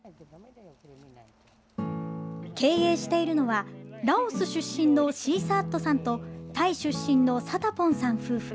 経営しているのはラオス出身のシーサアットさんとタイ出身のサタポンさん夫婦。